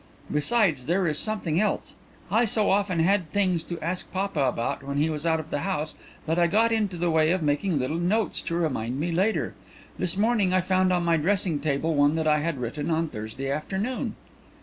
Besides there is something else. I so often had things to ask papa about when he was out of the house that I got into the way of making little notes to remind me later. This morning I found on my dressing table one that I had written on Thursday afternoon."